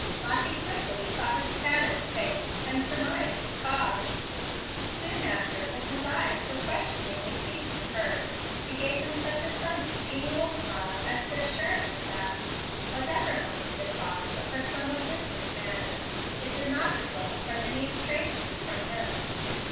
Lottie quickly saw his shadowed face, and surmised the cause. Soon after, when his eyes were questioningly seeking hers, she gave him such a sunny, genial smile as to assure him that, whatever might be the cause of her somewhat distant manner, it did not result from any estrangement from him.